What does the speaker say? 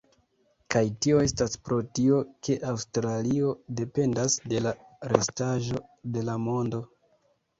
Kaj tio estas pro tio, ke Aŭstralio dependas de la restaĵo de la mondo.